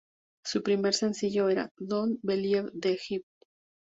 Su primer sencillo era "Don't Believe the Hype".